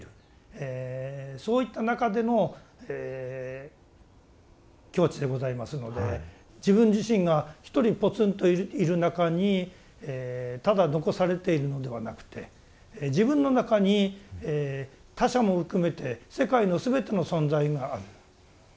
そういった中でのえ境地でございますので自分自身が一人ぽつんといる中にただ残されているのではなくて自分の中に他者も含めて世界の全ての存在がある。